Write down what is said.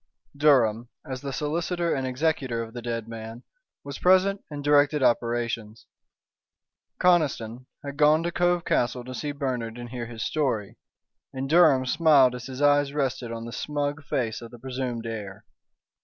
Durham, as the solicitor and executor of the dead man, was present and directed operations. Conniston had gone to Cove Castle to see Bernard and hear his story; and Durham smiled as his eyes rested on the smug face of the presumed heir.